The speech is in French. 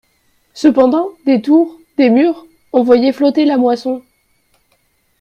Cependant, des tours, des murs, on voyait flotter la moisson.